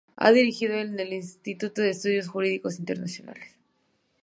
Ha dirigido el Instituto de Estudios Jurídicos Internacionales.